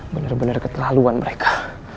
bener bener ketelaluan mereka